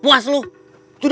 masih biasa langsung pukul